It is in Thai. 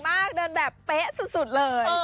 เหมาะด้านแบบเป๊ะสุดเลย